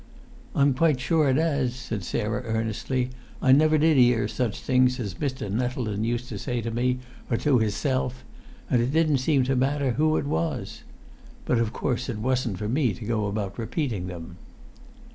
"I'm quite sure it 'as," said Sarah, earnestly. "I never did 'ear such things as Mr. Nettleton used to say to me, or to hisself, it didn't seem to matter who it was. But of course it wasn't for me to go about repeating them."